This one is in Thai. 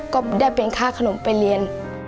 ก็ได้เป็นค่าขนมไปเรียน